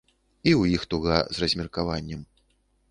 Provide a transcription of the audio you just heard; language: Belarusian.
І ў іх туга з размеркаваннем.